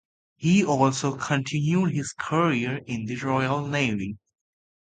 He also continued his career in the royal navy.